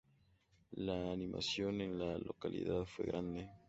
La animación en la localidad fue grande.